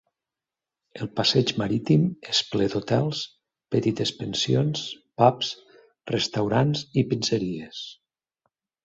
El passeig marítim és ple d'hotels, petites pensions, pubs, restaurants i pizzeries.